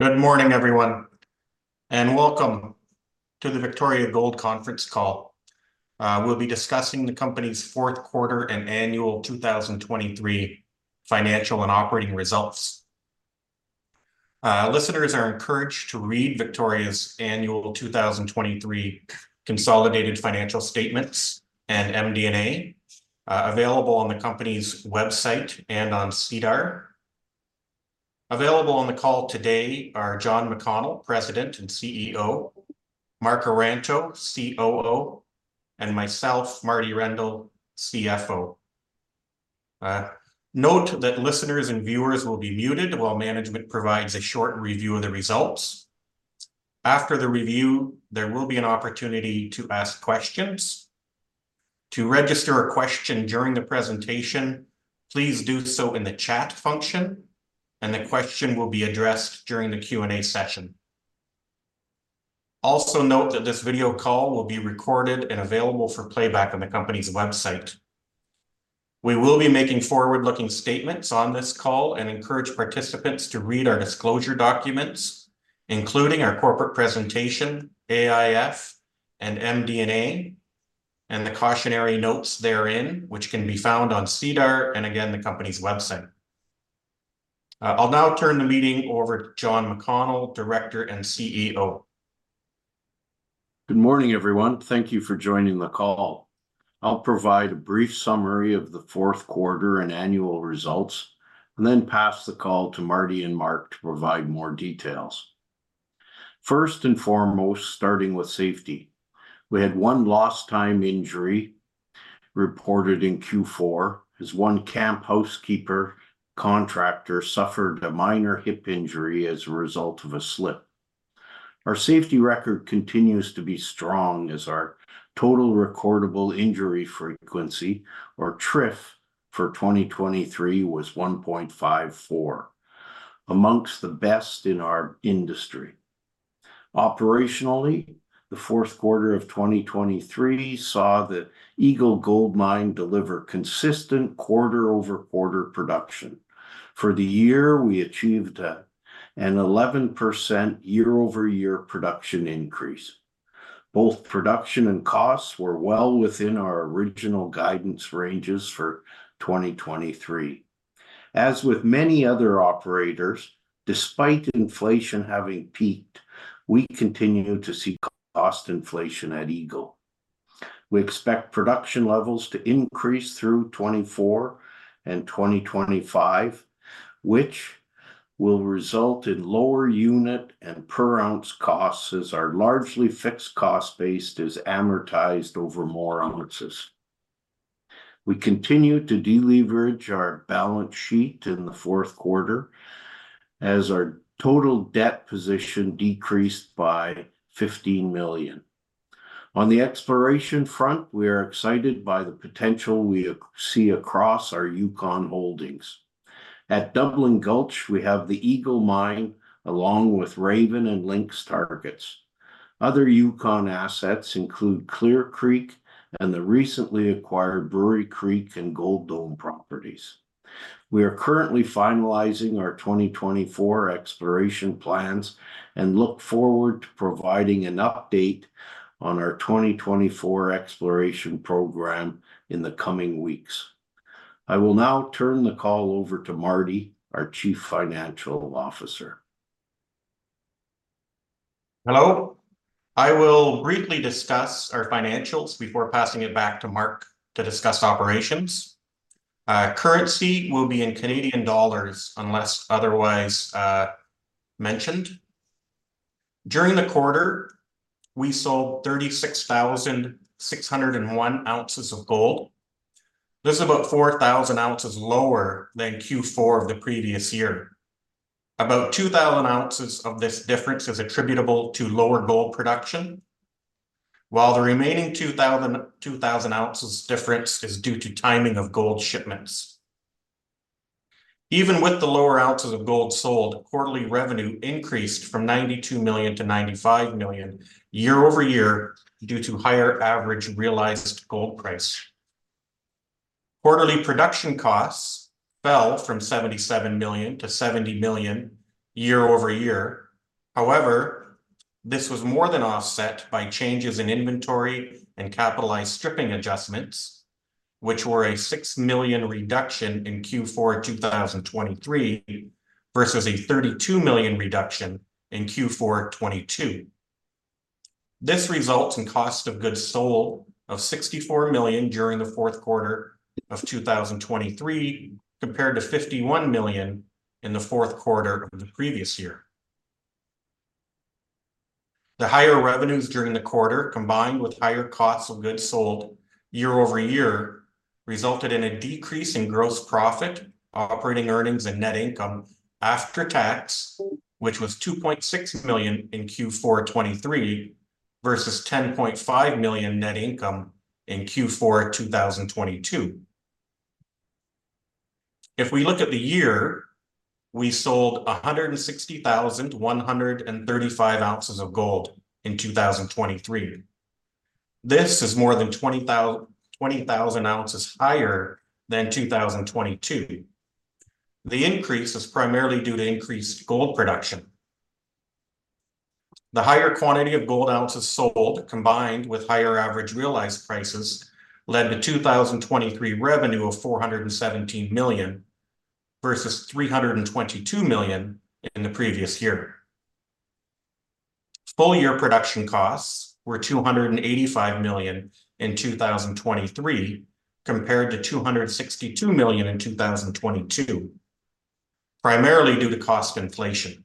Good morning, everyone, and welcome to the Victoria Gold Conference Call. We'll be discussing the company's 4th quarter and annual 2023 financial and operating results. Listeners are encouraged to read Victoria's annual 2023 consolidated financial statements and MD&A, available on the company's website and on SEDAR. Available on the call today are John McConnell, President and CEO; Mark Ayranto, COO; and myself, Marty Rendall, CFO. Note that listeners and viewers will be muted while management provides a short review of the results. After the review, there will be an opportunity to ask questions. To register a question during the presentation, please do so in the chat function, and the question will be addressed during the Q&A session. Also note that this video call will be recorded and available for playback on the company's website. We will be making forward-looking statements on this call and encourage participants to read our disclosure documents, including our corporate presentation, AIF, and MD&A, and the cautionary notes therein, which can be found on SEDAR and, again, the company's website. I'll now turn the meeting over to John McConnell, Director and CEO. Good morning, everyone. Thank you for joining the call. I'll provide a brief summary of the 4th quarter and annual results and then pass the call to Marty and Mark to provide more details. First and foremost, starting with safety, we had one lost-time injury reported in Q4 as one camp housekeeper contractor suffered a minor hip injury as a result of a slip. Our safety record continues to be strong as our total recordable injury frequency, or TRIF, for 2023 was 1.54, among the best in our industry. Operationally, the 4th quarter of 2023 saw the Eagle Gold Mine deliver consistent quarter-over-quarter production. For the year, we achieved an 11% year-over-year production increase. Both production and costs were well within our original guidance ranges for 2023. As with many other operators, despite inflation having peaked, we continue to see cost inflation at Eagle. We expect production levels to increase through 2024 and 2025, which will result in lower unit and per-ounce costs as our largely fixed cost base is amortized over more ounces. We continue to deleverage our balance sheet in the 4th quarter as our total debt position decreased by 15 million. On the exploration front, we are excited by the potential we see across our Yukon Holdings. At Dublin Gulch, we have the Eagle Mine along with Raven and Lynx targets. Other Yukon assets include Clear Creek and the recently acquired Brewery Creek and Gold Dome properties. We are currently finalizing our 2024 exploration plans and look forward to providing an update on our 2024 exploration program in the coming weeks. I will now turn the call over to Marty, our Chief Financial Officer. Hello. I will briefly discuss our financials before passing it back to Mark to discuss operations. Currency will be in Canadian dollars unless otherwise mentioned. During the quarter, we sold 36,601 ounces of gold. This is about 4,000 ounces lower than Q4 of the previous year. About 2,000 ounces of this difference is attributable to lower gold production, while the remaining 2,000 ounces difference is due to timing of gold shipments. Even with the lower ounces of gold sold, quarterly revenue increased from 92 million-95 million year-over-year due to higher average realized gold price. Quarterly production costs fell from 77 million-70 million year-over-year. However, this was more than offset by changes in inventory and capitalized stripping adjustments, which were a 6 million reduction in Q4 2023 vs. a 32 million reduction in Q4 2022. This results in cost of goods sold of 64 million during the 4th quarter of 2023 compared to 51 million in the 4th quarter of the previous year. The higher revenues during the quarter, combined with higher costs of goods sold year over year, resulted in a decrease in gross profit, operating earnings, and net income after tax, which was 2.6 million in Q4 2023 vs. 10.5 million net income in Q4 2022. If we look at the year, we sold 160,135 ounces of gold in 2023. This is more than 20,000 ounces higher than 2022. The increase is primarily due to increased gold production. The higher quantity of gold ounces sold, combined with higher average realized prices, led to 2023 revenue of 417 million vs. 322 million in the previous year. Full-year production costs were 285 million in 2023 compared to 262 million in 2022, primarily due to cost inflation.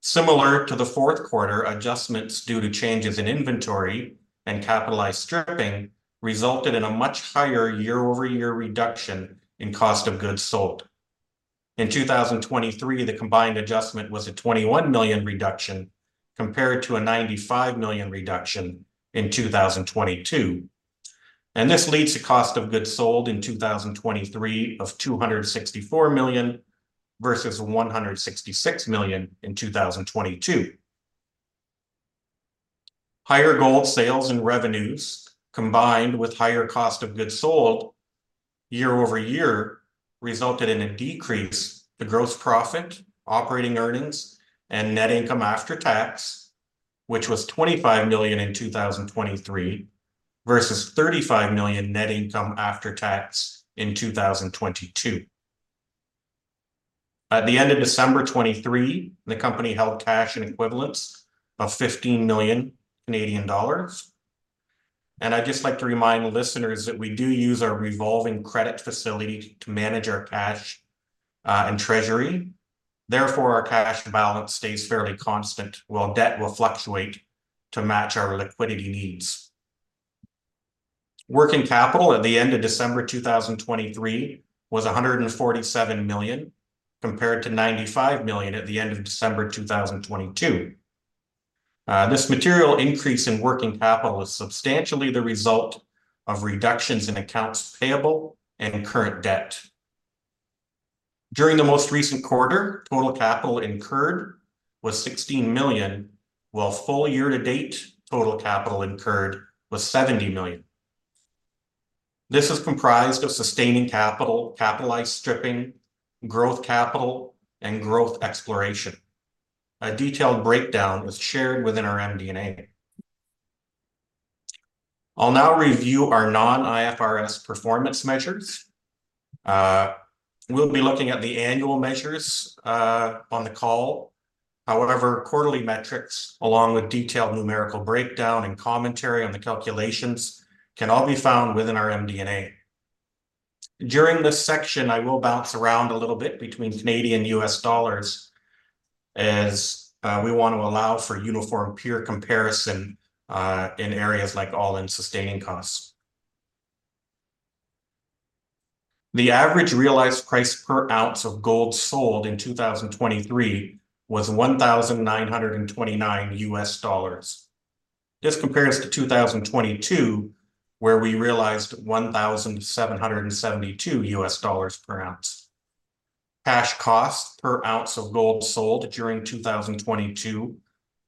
Similar to the 4th quarter, adjustments due to changes in inventory and capitalized Stripping resulted in a much higher year-over-year reduction in cost of goods sold. In 2023, the combined adjustment was a 21 million reduction compared to a 95 million reduction in 2022. This leads to cost of goods sold in 2023 of 264 million vs. 166 million in 2022. Higher gold sales and revenues, combined with higher cost of goods sold year over year, resulted in a decrease to gross profit, operating earnings, and net income after tax, which was 25 million in 2023 vs. 35 million net income after tax in 2022. At the end of December 2023, the company held cash and equivalents of 15 million Canadian dollars. I'd just like to remind listeners that we do use our revolving credit facility to manage our cash and treasury. Therefore, our cash balance stays fairly constant while debt will fluctuate to match our liquidity needs. Working capital at the end of December 2023 was 147 million compared to 95 million at the end of December 2022. This material increase in working capital is substantially the result of reductions in accounts payable and current debt. During the most recent quarter, total capital incurred was 16 million, while full year-to-date total capital incurred was 70 million. This is comprised of sustaining capital, capitalized stripping, growth capital, and growth exploration. A detailed breakdown is shared within our MD&A. I'll now review our non-IFRS performance measures. We'll be looking at the annual measures on the call. However, quarterly metrics, along with detailed numerical breakdown and commentary on the calculations, can all be found within our MD&A. During this section, I will bounce around a little bit between Canadian and U.S. dollars as we want to allow for uniform peer comparison in areas like all-in sustaining costs. The average realized price per ounce of gold sold in 2023 was $1,929. This compares to 2022, where we realized $1,772 per ounce. Cash cost per ounce of gold sold during 2022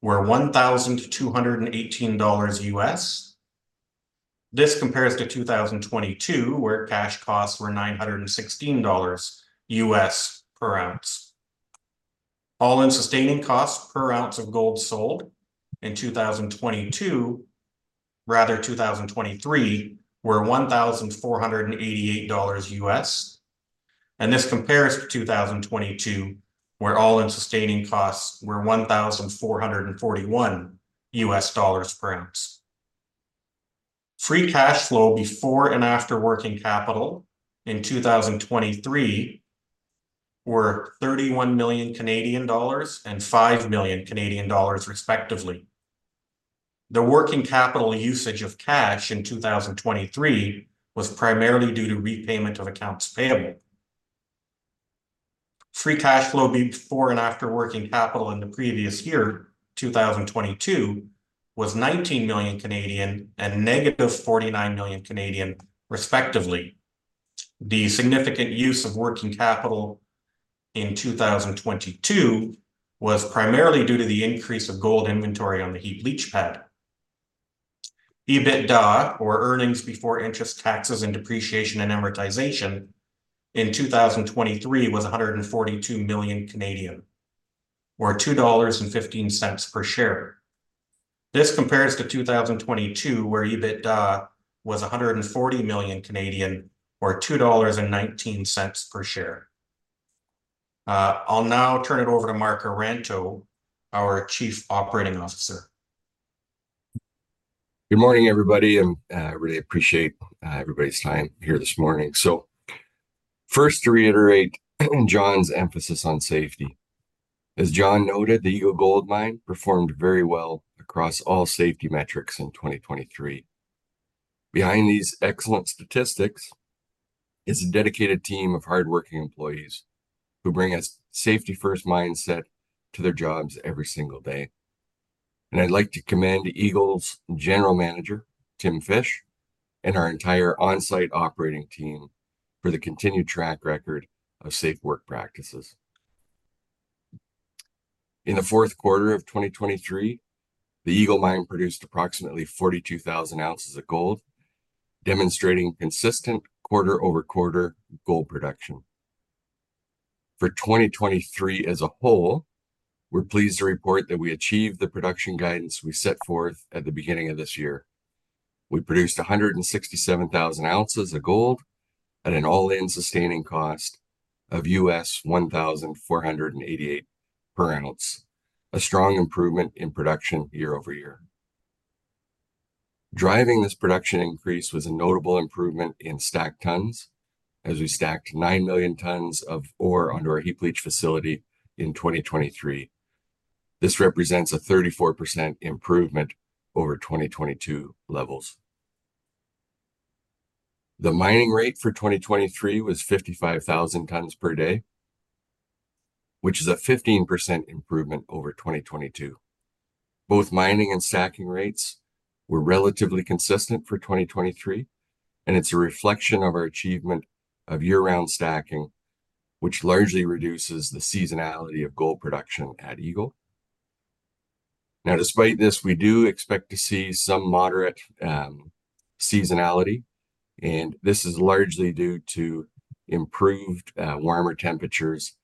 were $1,218. This compares to 2022, where cash costs were $916 per ounce. All-in sustaining costs per ounce of gold sold in 2022, rather 2023, were $1,488. This compares to 2022, where all-in sustaining costs were $1,441 per ounce. Free cash flow before and after working capital in 2023 were 31 million Canadian dollars and 5 million Canadian dollars, respectively. The working capital usage of cash in 2023 was primarily due to repayment of accounts payable. Free cash flow before and after working capital in the previous year, 2022, was 19 million and negative 49 million, respectively. The significant use of working capital in 2022 was primarily due to the increase of gold inventory on the heap leach pad. EBITDA, or earnings before interest, taxes, and depreciation and amortization, in 2023 was 142 million, or 2.15 dollars per share. This compares to 2022, where EBITDA was 140 million, or 2.19 dollars per share. I'll now turn it over to Mark Ayranto, our Chief Operating Officer. Good morning, everybody. I really appreciate everybody's time here this morning. First, to reiterate John's emphasis on safety. As John noted, the Eagle Gold Mine performed very well across all safety metrics in 2023. Behind these excellent statistics is a dedicated team of hardworking employees who bring a safety-first mindset to their jobs every single day. I'd like to commend Eagle's General Manager, Tim Fish, and our entire on-site operating team for the continued track record of safe work practices. In the 4th quarter of 2023, the Eagle Mine produced approximately 42,000 ounces of gold, demonstrating consistent quarter-over-quarter gold production. For 2023 as a whole, we're pleased to report that we achieved the production guidance we set forth at the beginning of this year. We produced 167,000 ounces of gold at an all-in sustaining cost of $1,488 per ounce, a strong improvement in production year-over-year. Driving this production increase was a notable improvement in stacked tons as we stacked 9 million tons of ore onto our heap leach facility in 2023. This represents a 34% improvement over 2022 levels. The mining rate for 2023 was 55,000 tons per day, which is a 15% improvement over 2022. Both mining and stacking rates were relatively consistent for 2023, and it's a reflection of our achievement of year-round stacking, which largely reduces the seasonality of gold production at Eagle. Now, despite this, we do expect to see some moderate seasonality, and this is largely due to improved warmer temperatures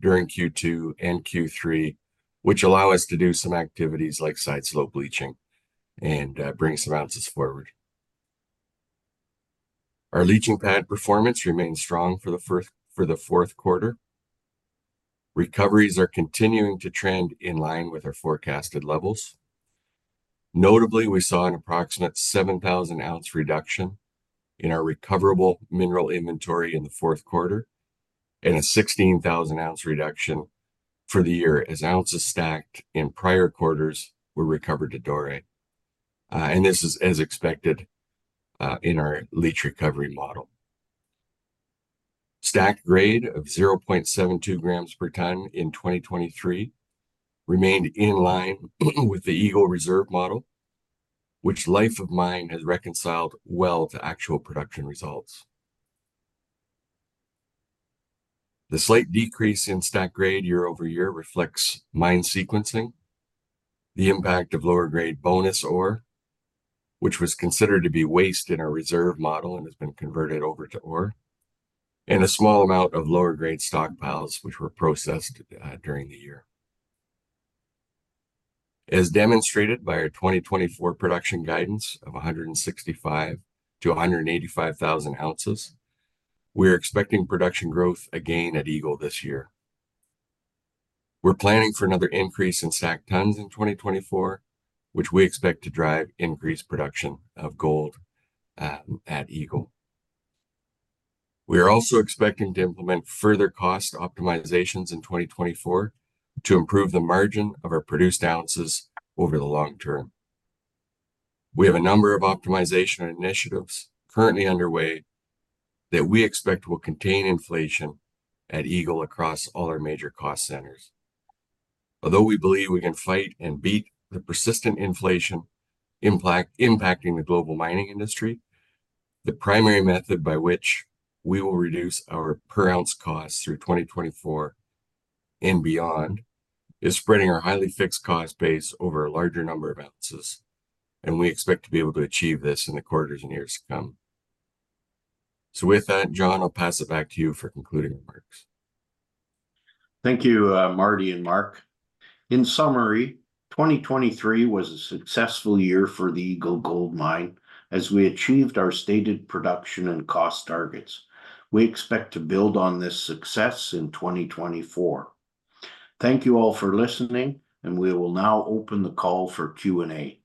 during Q2 and Q3, which allow us to do some activities like side slope leaching and bring some ounces forward. Our leaching pad performance remains strong for the 4th quarter. Recoveries are continuing to trend in line with our forecasted levels. Notably, we saw an approximate 7,000-ounce reduction in our recoverable mineral inventory in the 4th quarter and a 16,000-ounce reduction for the year as ounces stacked in prior quarters were recovered to doré. This is as expected in our leach recovery model. Stacked grade of 0.72 grams per ton in 2023 remained in line with the Eagle reserve model, which life of mine has reconciled well to actual production results. The slight decrease in stacked grade year-over-year reflects mine sequencing, the impact of lower-grade bonus ore, which was considered to be waste in our reserve model and has been converted over to ore, and a small amount of lower-grade stockpiles, which were processed during the year. As demonstrated by our 2024 production guidance of 165,000-185,000 ounces, we are expecting production growth again at Eagle this year. We're planning for another increase in stacked tons in 2024, which we expect to drive increased production of gold at Eagle. We are also expecting to implement further cost optimizations in 2024 to improve the margin of our produced ounces over the long term. We have a number of optimization initiatives currently underway that we expect will contain inflation at Eagle across all our major cost centers. Although we believe we can fight and beat the persistent inflation impacting the global mining industry, the primary method by which we will reduce our per-ounce costs through 2024 and beyond is spreading our highly fixed cost base over a larger number of ounces. We expect to be able to achieve this in the quarters and years to come. With that, John, I'll pass it back to you for concluding remarks. Thank you, Marty and Mark. In summary, 2023 was a successful year for the Eagle Gold Mine as we achieved our stated production and cost targets. We expect to build on this success in 2024. Thank you all for listening, and we will now open the call for Q&A.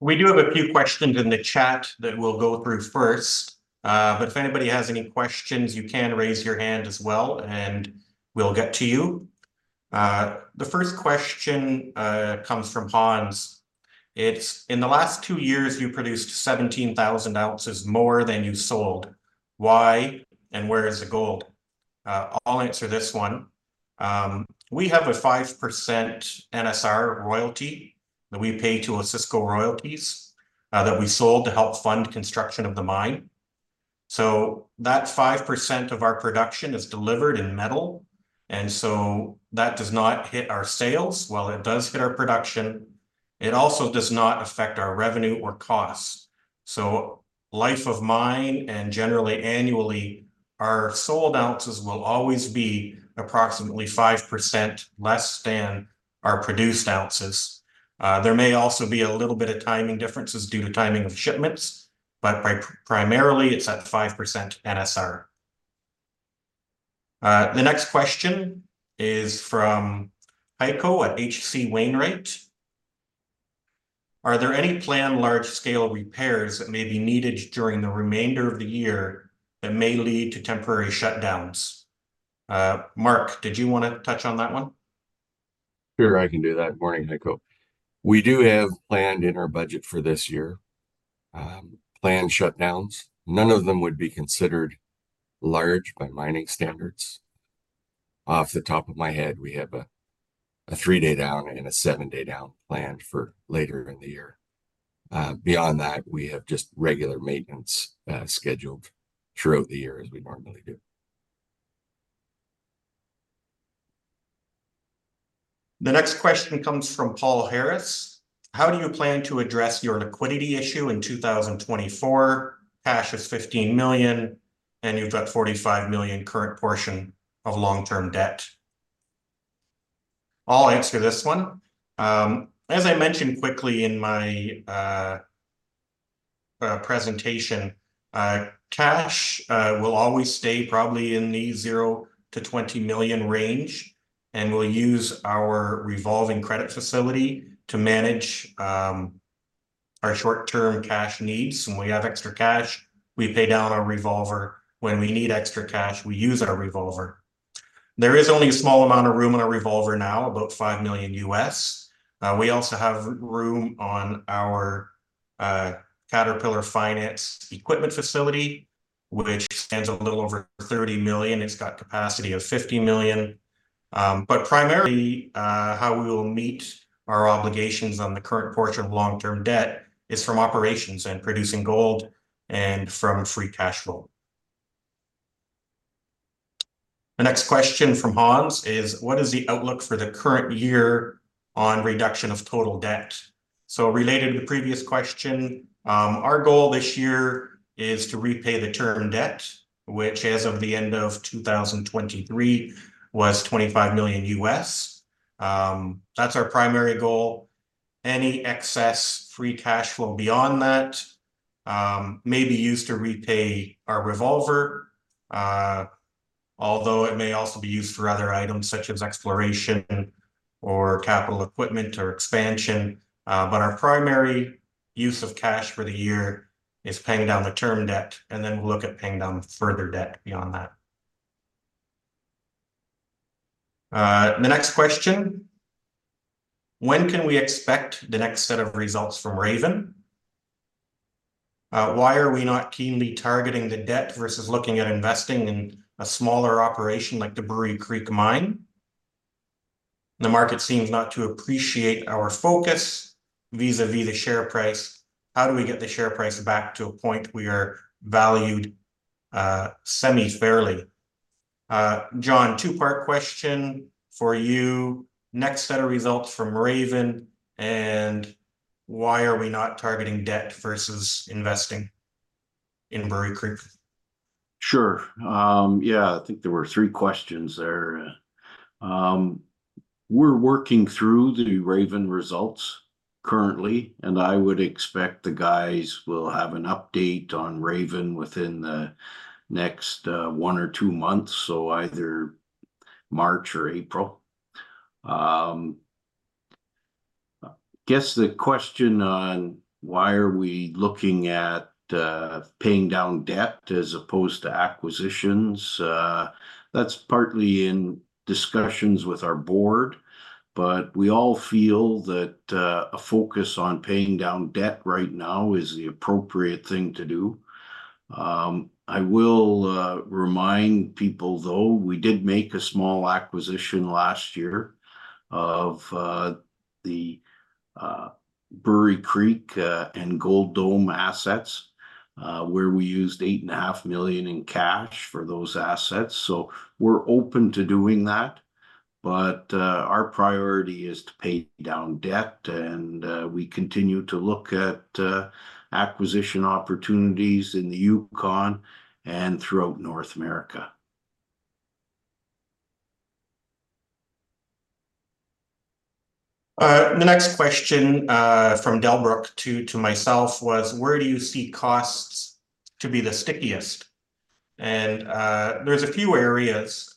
We do have a few questions in the chat that we'll go through first. But if anybody has any questions, you can raise your hand as well, and we'll get to you. The first question comes from Hans. It's, "In the last two years, you produced 17,000 ounces more than you sold. Why and where is the gold?" I'll answer this one. We have a 5% NSR royalty that we pay to Osisko Gold Royalties that we sold to help fund construction of the mine. So that 5% of our production is delivered in metal, and so that does not hit our sales. While it does hit our production, it also does not affect our revenue or costs. So life of mine and generally annually, our sold ounces will always be approximately 5% less than our produced ounces. There may also be a little bit of timing differences due to timing of shipments, but primarily it's at 5% NSR. The next question is from Heiko at H.C. Wainwright. "Are there any planned large-scale repairs that may be needed during the remainder of the year that may lead to temporary shutdowns?" Mark, did you want to touch on that one? Sure, I can do that. Morning, Heiko. We do have planned in our budget for this year planned shutdowns. None of them would be considered large by mining standards. Off the top of my head, we have a 3-day down and a 7-day down planned for later in the year. Beyond that, we have just regular maintenance scheduled throughout the year as we normally do. The next question comes from Paul Harris. "How do you plan to address your liquidity issue in 2024? Cash is 15 million, and you've got 45 million current portion of long-term debt." I'll answer this one. As I mentioned quickly in my presentation, cash will always stay probably in the 0-20 million range, and we'll use our revolving credit facility to manage our short-term cash needs. When we have extra cash, we pay down our revolver. When we need extra cash, we use our revolver. There is only a small amount of room on our revolver now, about $5 million. We also have room on our Caterpillar Financial equipment facility, which stands a little over 30 million. It's got capacity of 50 million. But primarily, how we will meet our obligations on the current portion of long-term debt is from operations and producing gold and from free cash flow. The next question from Hans is, "What is the outlook for the current year on reduction of total debt?" So related to the previous question, our goal this year is to repay the term debt, which as of the end of 2023 was $25 million. That's our primary goal. Any excess free cash flow beyond that may be used to repay our revolver, although it may also be used for other items such as exploration or capital equipment or expansion. But our primary use of cash for the year is paying down the term debt, and then we'll look at paying down further debt beyond that. The next question, "When can we expect the next set of results from Raven? Why are we not keenly targeting the debt vs. looking at investing in a smaller operation like the Brewery Creek Mine? The market seems not to appreciate our focus vis-à-vis the share price. How do we get the share price back to a point we are valued semi-fairly?" John, two-part question for you. Next set of results from Raven, and why are we not targeting debt vs. investing in Brewery Creek? Sure. Yeah, I think there were three questions there. We're working through the Raven results currently, and I would expect the guys will have an update on Raven within the next 1 or 2 months, so either March or April. I guess the question on why are we looking at paying down debt as opposed to acquisitions, that's partly in discussions with our board, but we all feel that a focus on paying down debt right now is the appropriate thing to do. I will remind people, though, we did make a small acquisition last year of the Brewery Creek and Gold Dome assets, where we used 8.5 million in cash for those assets. So we're open to doing that, but our priority is to pay down debt, and we continue to look at acquisition opportunities in the Yukon and throughout North America. The next question from Delbrook to myself was, "Where do you see costs to be the stickiest?" There's a few areas.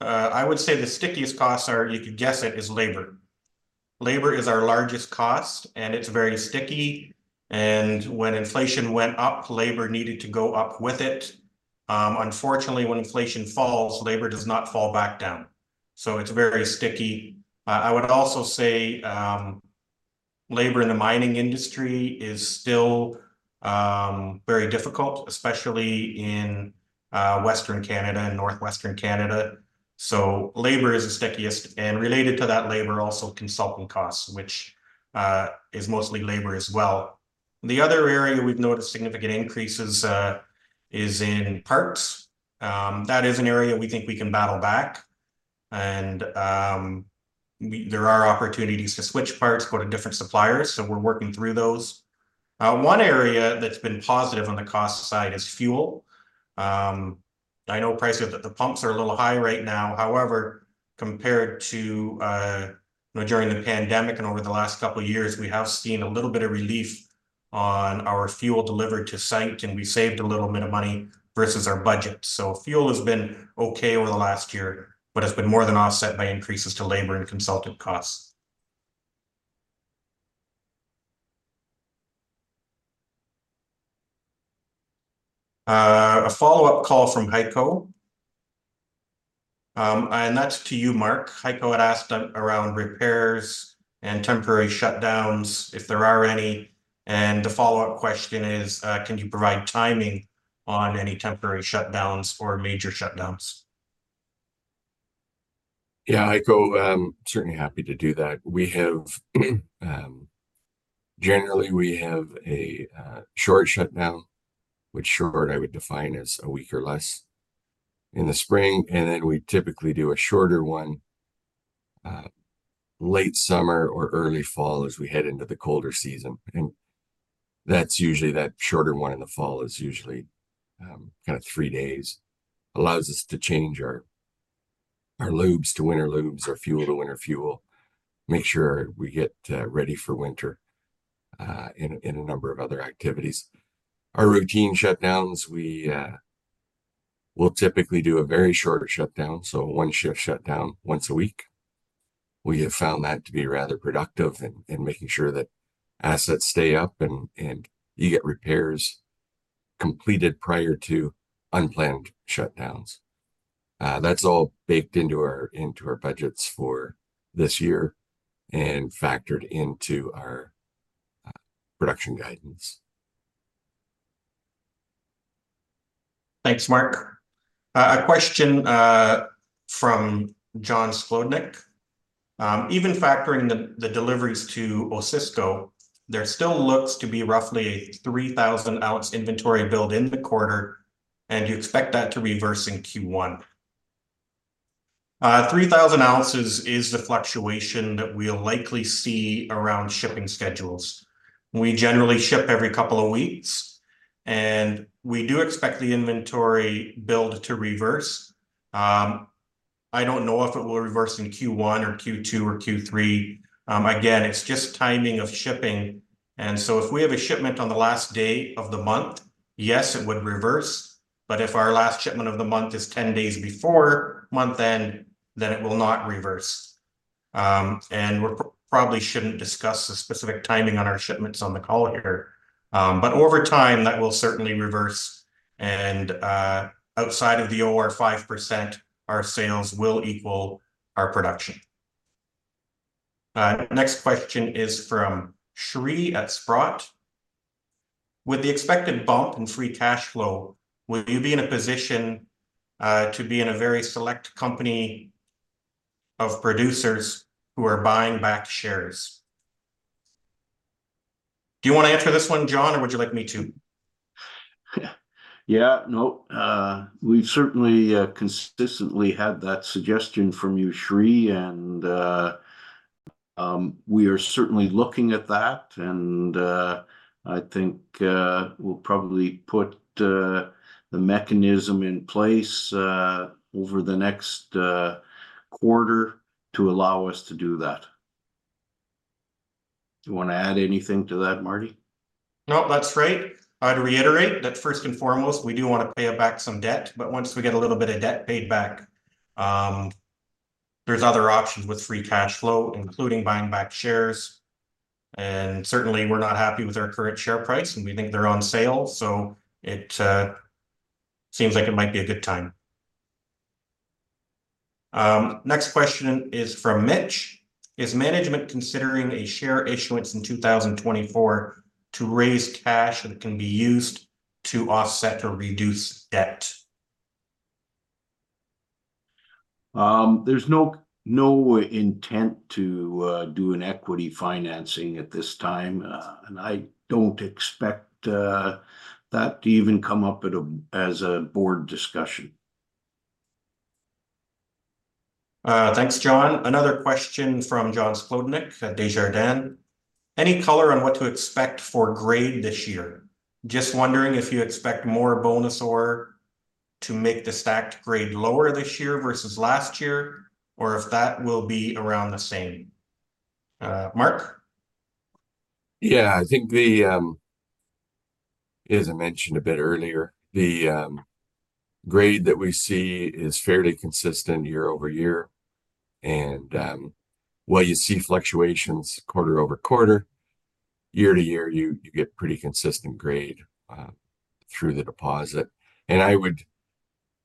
I would say the stickiest costs are, you could guess it, is labor. Labor is our largest cost, and it's very sticky. When inflation went up, labor needed to go up with it. Unfortunately, when inflation falls, labor does not fall back down. So it's very sticky. I would also say labor in the mining industry is still very difficult, especially in Western Canada and northwestern Canada. Labor is the stickiest. Related to that labor, also consulting costs, which is mostly labor as well. The other area we've noticed significant increases is in parts. That is an area we think we can battle back. There are opportunities to switch parts, go to different suppliers, so we're working through those. One area that's been positive on the cost side is fuel. I know, price, that the pumps are a little high right now. However, compared to during the pandemic and over the last couple of years, we have seen a little bit of relief on our fuel delivered to site, and we saved a little bit of money vs. our budget. So fuel has been okay over the last year but has been more than offset by increases to labor and consultant costs. A follow-up call from Heiko, and that's to you, Mark. Heiko had asked around repairs and temporary shutdowns, if there are any. And the follow-up question is, "Can you provide timing on any temporary shutdowns or major shutdowns? Yeah, Heiko, certainly happy to do that. Generally, we have a short shutdown, which short I would define as a week or less in the spring. And then we typically do a shorter one late summer or early fall as we head into the colder season. And that's usually that shorter one in the fall is usually kind of three days, allows us to change our loops to winter loops, our fuel to winter fuel, make sure we get ready for winter in a number of other activities. Our routine shutdowns, we'll typically do a very short shutdown, so one-shift shutdown once a week. We have found that to be rather productive in making sure that assets stay up and you get repairs completed prior to unplanned shutdowns. That's all baked into our budgets for this year and factored into our production guidance. Thanks, Mark. A question from John Sclodnick. "Even factoring the deliveries to Osisko, there still looks to be roughly a 3,000-ounce inventory build in the quarter, and you expect that to reverse in Q1." 3,000 ounces is the fluctuation that we'll likely see around shipping schedules. We generally ship every couple of weeks, and we do expect the inventory build to reverse. I don't know if it will reverse in Q1 or Q2 or Q3. Again, it's just timing of shipping. And so if we have a shipment on the last day of the month, yes, it would reverse. But if our last shipment of the month is 10 days before month-end, then it will not reverse. And we probably shouldn't discuss the specific timing on our shipments on the call here. But over time, that will certainly reverse. Outside of the NSR 5%, our sales will equal our production. Next question is from Shree at Sprott. "With the expected bump in free cash flow, will you be in a position to be in a very select company of producers who are buying back shares?" Do you want to answer this one, John, or would you like me to? Yeah. Nope. We've certainly consistently had that suggestion from you, Shree, and we are certainly looking at that. And I think we'll probably put the mechanism in place over the next quarter to allow us to do that. Do you want to add anything to that, Marty? Nope, that's great. I'd reiterate that first and foremost, we do want to pay back some debt. Once we get a little bit of debt paid back, there's other options with free cash flow, including buying back shares. Certainly, we're not happy with our current share price, and we think they're on sale. It seems like it might be a good time. Next question is from Mitch. "Is management considering a share issuance in 2024 to raise cash that can be used to offset or reduce debt? There's no intent to do an equity financing at this time, and I don't expect that to even come up as a board discussion. Thanks, John. Another question from John Sclodnick at Desjardins. "Any color on what to expect for grade this year? Just wondering if you expect more Bonus Ore to make the Stacked Grade lower this year vs. last year, or if that will be around the same." Mark? Yeah, I think as I mentioned a bit earlier, the grade that we see is fairly consistent year-over-year. And while you see fluctuations quarter-over-quarter, year-to-year, you get pretty consistent grade through the deposit. And I would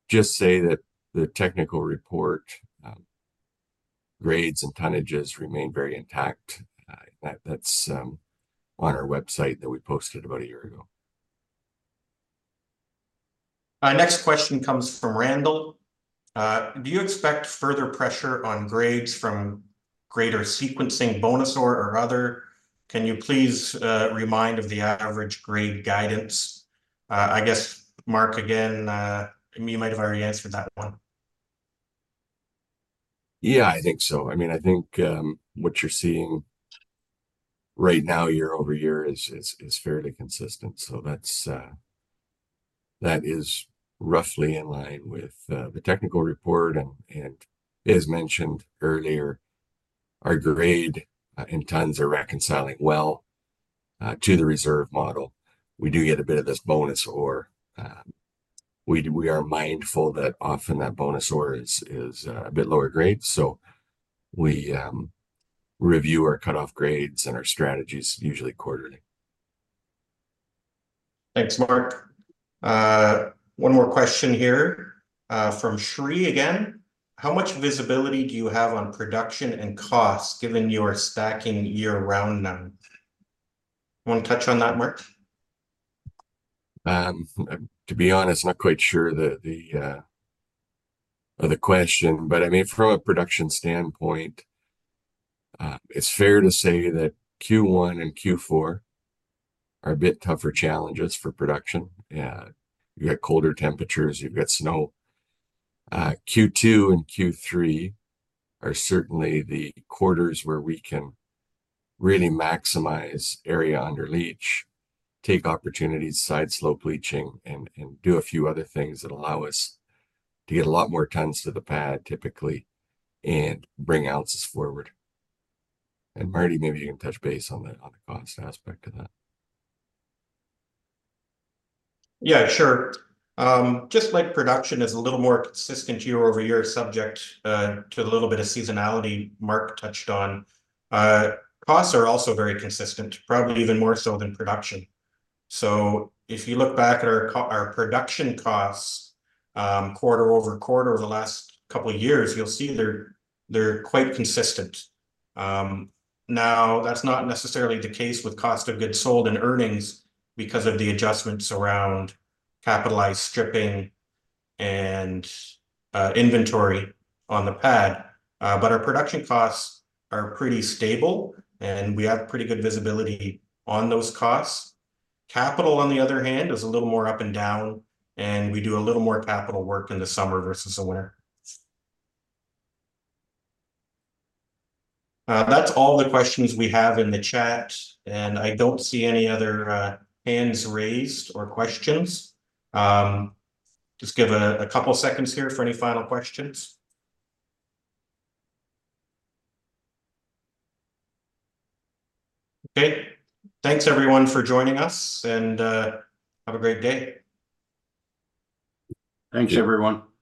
just say that the technical report, grades and tonnages remain very intact. That's on our website that we posted about a year ago. Next question comes from Randall. "Do you expect further pressure on grades from greater sequencing Bonus Ore or other? Can you please remind of the average grade guidance?" I guess, Mark, again, you might have already answered that one. Yeah, I think so. I mean, I think what you're seeing right now, year-over-year, is fairly consistent. So that is roughly in line with the technical report. And as mentioned earlier, our grade in tons are reconciling well to the reserve model. We do get a bit of this Bonus Ore. We are mindful that often that Bonus Ore is a bit lower grade. So we review our cutoff grades and our strategies usually quarterly. Thanks, Mark. One more question here from Shree again. "How much visibility do you have on production and costs given your stacking year-round numbers?" Want to touch on that, Mark? To be honest, not quite sure the other question. But I mean, from a production standpoint, it's fair to say that Q1 and Q4 are a bit tougher challenges for production. You got colder temperatures. You've got snow. Q2 and Q3 are certainly the quarters where we can really maximize area under leach, take opportunities, side slope leaching, and do a few other things that allow us to get a lot more tons to the pad, typically, and bring ounces forward. And Marty, maybe you can touch base on the cost aspect of that. Yeah, sure. Just like production is a little more consistent year-over-year subject to a little bit of seasonality Mark touched on, costs are also very consistent, probably even more so than production. So if you look back at our production costs quarter-over-quarter over the last couple of years, you'll see they're quite consistent. Now, that's not necessarily the case with cost of goods sold and earnings because of the adjustments around capitalized stripping and inventory on the pad. But our production costs are pretty stable, and we have pretty good visibility on those costs. Capital, on the other hand, is a little more up and down, and we do a little more capital work in the summer vs. the winter. That's all the questions we have in the chat, and I don't see any other hands raised or questions. Just give a couple of seconds here for any final questions. Okay. Thanks, everyone, for joining us, and have a great day. Thanks, everyone.